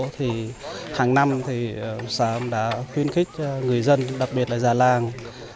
thì hàng năm xã đã khuyên khích người dân đặc biệt là già làng